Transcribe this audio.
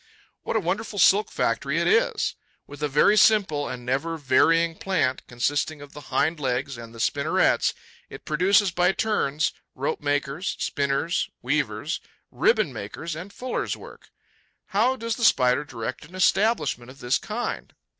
What a wonderful silk factory it is! With a very simple and never varying plant, consisting of the hind legs and the spinnerets, it produces, by turns, rope maker's, spinner's, weaver's, ribbon maker's and fuller's work. How does the Spider direct an establishment of this kind?